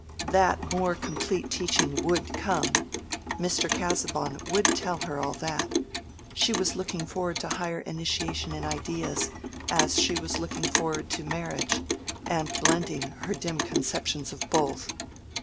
That more complete teaching would come—Mr. Casaubon would tell her all that: she was looking forward to higher initiation in ideas, as she was looking forward to marriage, and blending her dim conceptions of both.